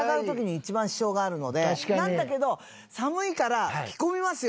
なんだけど寒いから着込みますよ。